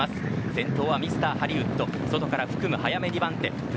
先頭はミスターハリウッド。